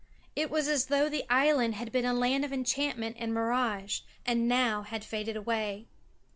It was as though the island had been a land of enchantment and mirage, and now had faded away.